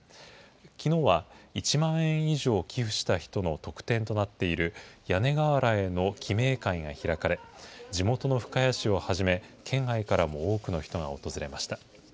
きのうは１万円以上寄付した人の特典となっている屋根瓦への記名会が開かれ、地元の深谷市をはじめ、県外からも多くの人が訪れました。